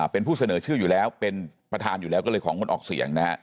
เป็นผู้เสนอชื่ออยู่แล้วเป็นประธานอยู่แล้วก็เลยของงดออกเสียงนะฮะ